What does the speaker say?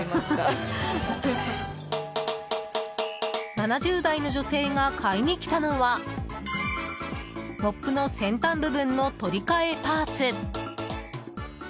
７０代の女性が買いに来たのはモップの先端部分の取り替えパーツ。